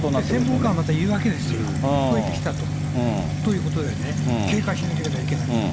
専門家はまた言うわけですよ、増えてきたということでね、警戒しなければいけない。